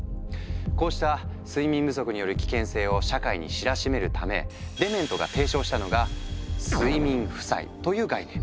こうした睡眠不足による危険性を社会に知らしめるためデメントが提唱したのが「睡眠負債」という概念。